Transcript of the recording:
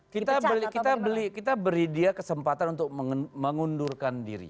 kita beli kita beli kita beri dia kesempatan untuk mengundurkan diri